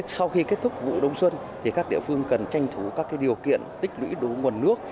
sau khi kết thúc vụ đông xuân các địa phương cần tranh thủ các điều kiện tích lũy đủ nguồn nước